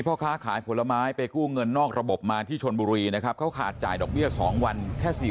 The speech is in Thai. พ่อค้าขายผลไม้ไปกู้เงินนอกระบบมาที่ชนบุรีนะครับเขาขาดจ่ายดอกเบี้ย๒วันแค่๔๐